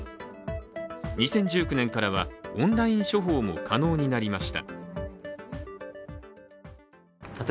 ２０１９年からはオンライン処方も可能になりました。